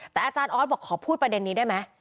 แต่อาจารย์ออสบอกขอพูดประเด็นนี้ได้ไหม